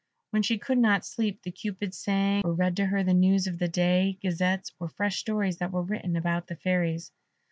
When she could not sleep the Cupids sang, or read to her the news of the day, Gazettes, or fresh stories that were written about the Fairies.